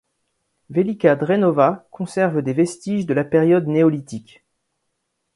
Velika Drenova conserve des vestiges de la période néolithique.